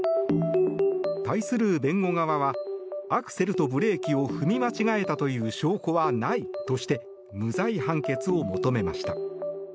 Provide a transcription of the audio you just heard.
対する弁護側はアクセルとブレーキを踏み間違えたという証拠はないとして無罪判決を求めました。